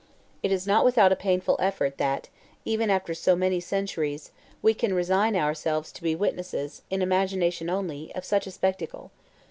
'" It is not without a painful effort that, even after so many centuries, we can resign ourselves to be witnesses, in imagination only, of such a spectacle.